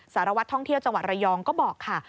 สารวัตรท่องเที่ยวจังหวัดระยองก็บอกค่ะ